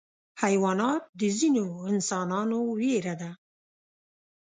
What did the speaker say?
حیوانات د ځینو انسانانو ویره ده.